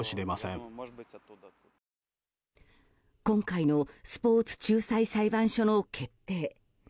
今回のスポーツ仲裁裁判所の決定。